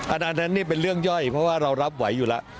อันนั้นนี่เป็นเรื่องย่อยเพราะว่าเรารับไหวอยู่แล้ว